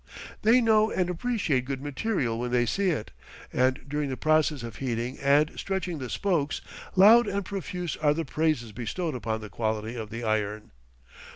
They know and appreciate good material when they see it, and during the process of heating and stretching the spokes, loud and profuse are the praises bestowed upon the quality of the iron.